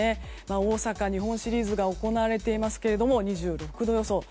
大阪、日本シリーズが行われていますが２６度予想。